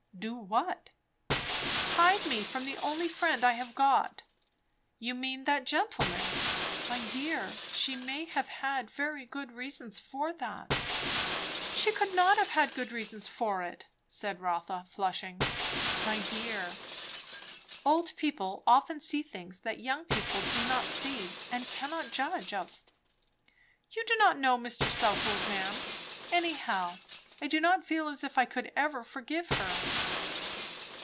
"Do what?" "Hide me from the only friend I have got." "You mean that gentleman? My dear, she may have had very good reasons for that?" "She could not have good reasons for it," said Rotha flushing. "My dear, old people often see things that young people do not see, and cannot judge of." "You do not know Mr. Southwode, ma'am. Anyhow, I do not feel as if I could ever forgive her."